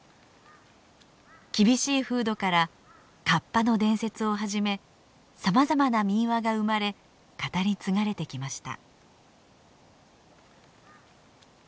厳しい風土からカッパの伝説をはじめさまざまな民話が生まれ語り継がれてきました。